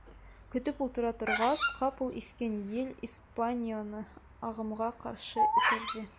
Көтөп ултыра торғас, ҡапыл иҫкән ел «Испаньола»ны ағымға ҡаршы этәрҙе.